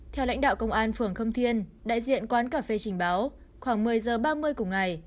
theo lãnh đạo công an phường khâm thiên đại diện quán cà phê trình báo khoảng một mươi giờ ba mươi cùng ngày